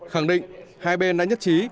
khẳng định hai bên đã nhất trí